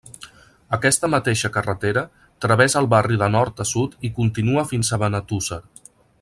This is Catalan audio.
Aquesta mateixa carretera travessa el barri de nord a sud i continua fins a Benetússer.